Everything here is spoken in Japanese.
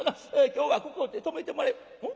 今日はここで泊めてもらいん？